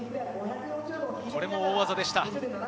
これも大技でした。